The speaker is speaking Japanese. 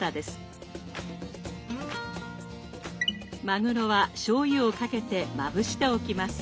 マグロはしょうゆをかけてまぶしておきます。